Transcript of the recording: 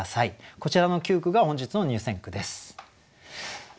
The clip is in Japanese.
こちらの９句が本日の入選句です。